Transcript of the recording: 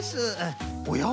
おや？